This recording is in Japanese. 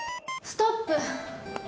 ストップ！